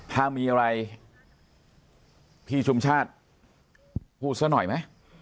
ถ้ามีอะไรพี่ชุมชาติพูดซะหน่อยไหม